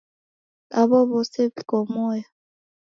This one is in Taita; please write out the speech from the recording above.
Aw'o w'ose w'iko moyo.